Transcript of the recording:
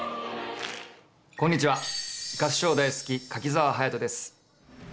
こんにちは合唱大好き柿澤勇人です。